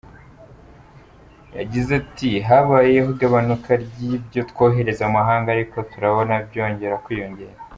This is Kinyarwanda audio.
Yagize ati “Habayeho igabanuka ry’ibyo twohereza mu mahanga ariko turabona byongera kwiyongera.